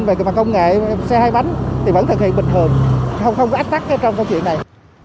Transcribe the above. về mặt công nghệ xe hai bánh thì vẫn thực hiện bình thường không có ách tắc trong câu chuyện này